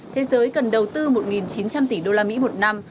thế giới cần đầu tư một chín trăm linh tỷ usd một năm